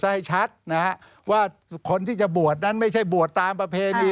ให้ชัดนะฮะว่าคนที่จะบวชนั้นไม่ใช่บวชตามประเพณี